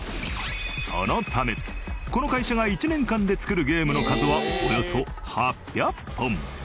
そのためこの会社が１年間で作るゲームの数はおよそ８００本。